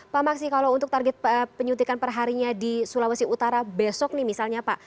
pak maksi kalau untuk target penyuntikan perharinya di sulawesi utara besok nih misalnya pak